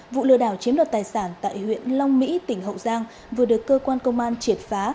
vụ lừa đảo chiếm đoạt tài sản tại huyện long mỹ tỉnh hậu giang vừa được cơ quan công an triệt phá